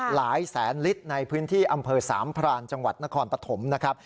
หลายแสนลิตรในพื้นที่อำเภอสามพรานจังหวัดนครปฐมนะครับ